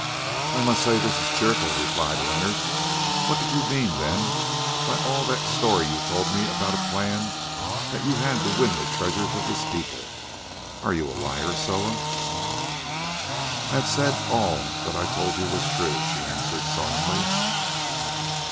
"I must say this is cheerful," replied Leonard. "What did you mean, then, by all that story you told me about a plan that you had to win the treasures of this people? Are you a liar, Soa?" "I have said that all I told you was true," she answered sullenly.